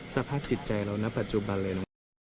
สภาพจิตใจเราณปัจจุบันเลย